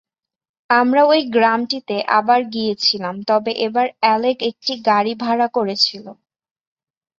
আমরা ঐ গ্রামটিতে আবার গিয়েছিলাম তবে এবার অ্যালেক একটা গাড়ি ভাড়া করেছিল।